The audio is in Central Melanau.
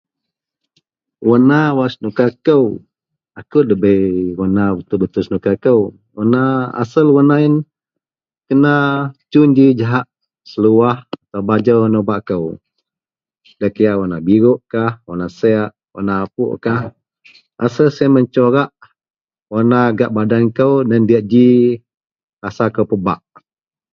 warna wak senuka kou, akou dabei warna betul-betul senuka kou, warna asal warna ien kena cun ji jahak seluwah bajou wak nebak kou, da kira warna birukah warna sek, ,warna apukkah asal sien mencorak warna gak badan kou dan diak ji rasa kou pebak